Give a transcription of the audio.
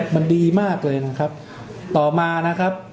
มันดีมากเลยนะครับต่อมานะครับ